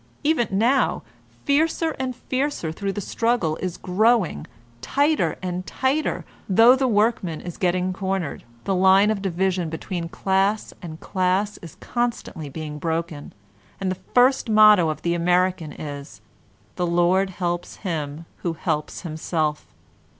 Even now, fiercer and fiercer though the struggle is growing, tighter and tighter though the workman is getting cornered, the line of division between class and class is constantly being broken, and the first motto of the American is ''the Lord helps him who helps himself."